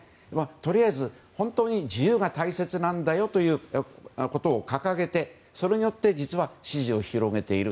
とりあえず、自由が大切なんだよということを掲げてそれによって実は支持を広げている。